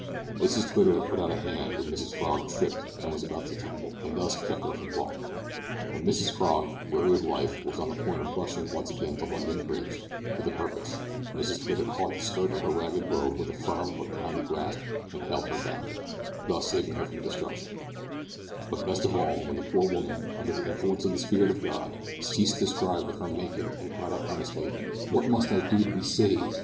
Mrs Twitter had put out a hand when Mrs Frog tripped and was about to tumble, and thus kept her from falling. When Mrs Frog, weary of life, was on the point of rushing once again to London Bridge, with a purpose, Mrs Twitter caught the skirt of her ragged robe with a firm but kindly grasp and held her back, thus saving her from destruction; but, best of all, when the poor woman, under the influence of the Spirit of God, ceased to strive with her Maker and cried out earnestly, "What must I do to be saved?"